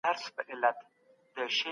انسان خپل شخصيت څنګه جوړوي.